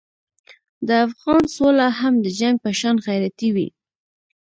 د افغان سوله هم د جنګ په شان غیرتي وي.